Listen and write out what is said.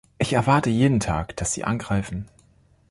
Ich erwarte jeden Tag, dass sie angreifen.